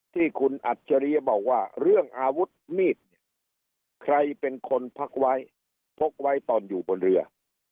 ที่คุณอัจฉริยะบอกว่าเรื่องอาวุธมีดเนี่ยใครเป็นคนพักไว้พกไว้ตอนอยู่บนเรือ